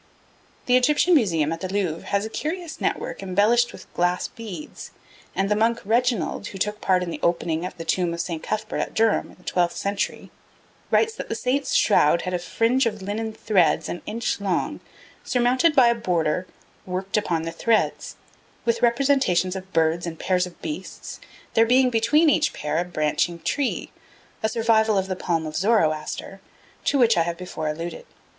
The Egyptian Museum at the Louvre has a curious network embellished with glass beads; and the monk Reginald, who took part in opening the tomb of St. Cuthbert at Durham in the twelfth century, writes that the Saint's shroud had a fringe of linen threads an inch long, surmounted by a border, 'worked upon the threads,' with representations of birds and pairs of beasts, there being between each such pair a branching tree, a survival of the palm of Zoroaster, to which I have before alluded.